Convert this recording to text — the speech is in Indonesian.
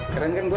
keren kan gue